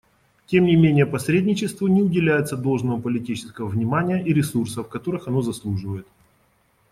Тем не менее посредничеству не уделяется должного политического внимания и ресурсов, которых оно заслуживает.